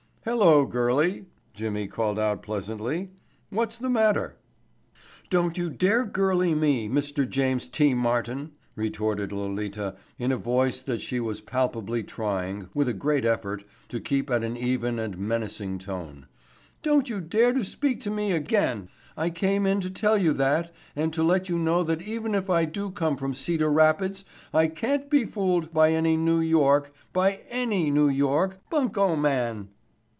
"Hello, girlie," Jimmy called out pleasantly, "what's the matter?" "Don't you dare girlie me, Mr. James T. Martin," retorted Lolita in a voice that she was palpably trying, with a great effort, to keep at an even and menacing tone. "Don't you dare to speak to me again. I came in to tell you that and to let you know that even if I do come from Cedar Rapids I can't be fooled by any New York—by any New York—bunco man."